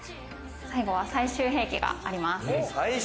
最後は最終兵器があります。